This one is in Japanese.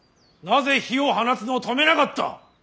なぜ火を放つのを止めなかった！